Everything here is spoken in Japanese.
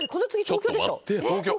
東京！